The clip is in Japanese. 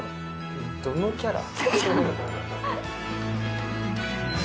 えっどのキャラ？